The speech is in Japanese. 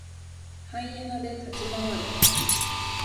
ハイエナで立ち回る。